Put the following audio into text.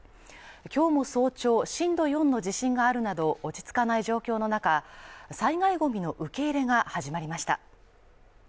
今日も早朝震度４の地震があるなど、落ち着かない状況の中、災害ゴミの受け入れが始まりました。